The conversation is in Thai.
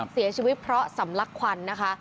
เสียชีวิตเพราะสำลักควันนะคะ